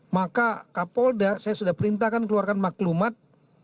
maka kapolda saya sudah perintahkan keluarkan maklumat